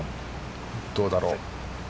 どうだろう。